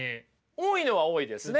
多いのは多いですね。